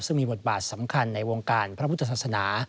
ซึ่งมีบทบาทสำคัญในวงการพระพุทธศาสนา